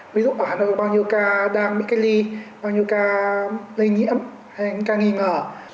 ví dụ ở hà nội bao nhiêu ca đang bị cách ly bao nhiêu ca lây nhiễm hay những ca nghi ngờ